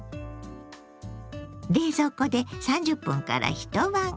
冷蔵庫で３０分から一晩おくだけ。